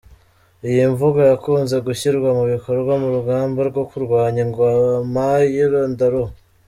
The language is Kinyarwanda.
IyI mvugo yakunze gushyirwa mu bikorwa mu rugamba rwo kurwanya ingoma y’irondaruhu.